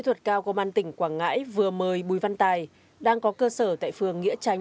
thuật cao công an tỉnh quảng ngãi vừa mời bùi văn tài đang có cơ sở tại phường nghĩa tránh